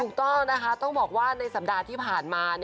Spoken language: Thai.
ถูกต้องนะคะต้องบอกว่าในสัปดาห์ที่ผ่านมา